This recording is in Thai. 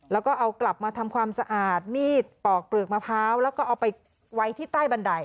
แล้วก็เอากลับมาทำความสะอาดมีดปอกเปลือกมะพร้าวแล้วก็เอาไปไว้ที่ใต้บันได